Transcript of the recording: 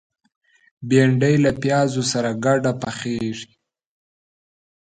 بېنډۍ له پیازو سره ګډه پخېږي